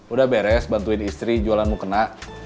udah beres bantuin istri jualanmu kena